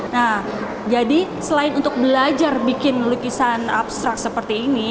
nah jadi selain untuk belajar bikin lukisan abstrak seperti ini